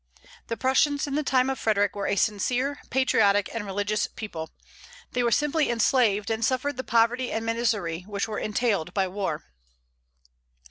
The Prussians in the time of Frederic were a sincere, patriotic, and religious people. They were simply enslaved, and suffered the poverty and misery which were entailed by war.